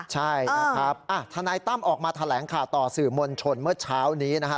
ใช่นะครับทนายตั้มออกมาแถลงข่าวต่อสื่อมวลชนเมื่อเช้านี้นะครับ